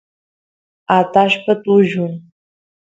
atashpa tullun